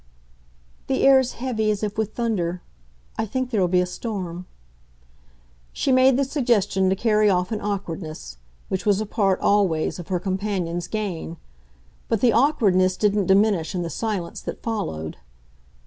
"The air's heavy as if with thunder I think there'll be a storm." She made the suggestion to carry off an awkwardness which was a part, always, of her companion's gain; but the awkwardness didn't diminish in the silence that followed.